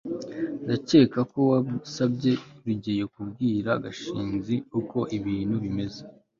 ndakeka ko wasabye rugeyo kubwira gashinzi uko ibintu bimeze